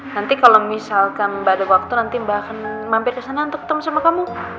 nanti kalau misalkan mbak ada waktu nanti mbak akan mampir kesana untuk ketemu sama kamu